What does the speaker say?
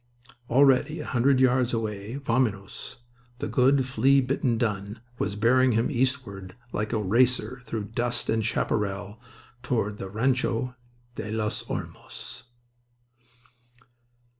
Already a hundred yards away, Vaminos, the good flea bitten dun, was bearing him eastward like a racer through dust and chaparral towards the Rancho de los Olmos.